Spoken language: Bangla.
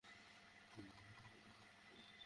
অজয়, এক মিনিট।